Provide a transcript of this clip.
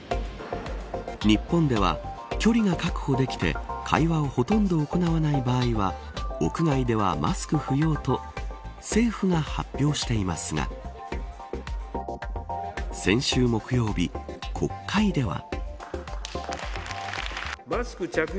日本では距離が確保できて会話をほとんど行わない場合は屋外ではマスク不要と政府が発表していますが先週木曜日国会では。